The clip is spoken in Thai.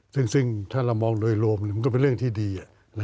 ซึ่งถ้าเรามองโดยรวมมันก็เป็นเรื่องที่ดี